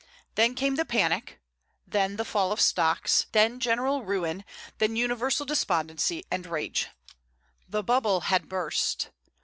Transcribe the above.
Then came the panic, then the fall of stocks, then general ruin, then universal despondency and rage. The bubble had burst!